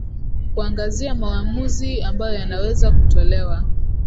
kuangazia maamuzi ambayo yanaweza kutolewa